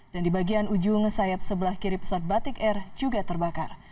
dan di bagian ujung sayap sebelah kiri pesawat batik air juga terbakar